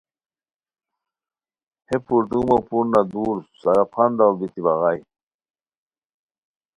ہے پردومو پورنہ دُور سراپھنڈاڑ بیتی بغائے